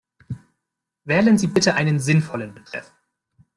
Wählen Sie bitte einen sinnvollen Betreff.